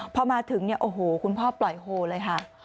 พอมาถึงโอ้โฮคุณพ่อปล่อยโหลละค่ะ